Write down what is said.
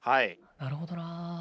なるほどな。